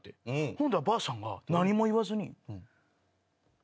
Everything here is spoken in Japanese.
ほんならばあさんが何も言わずに。